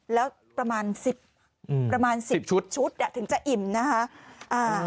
แล้วประมาณ๑๐ชุดถึงจะอิ่มนะฮะ